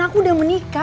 aku sudah menikah